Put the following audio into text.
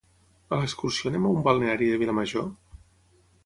a l'excursió anem a un balneari de Vilamajor?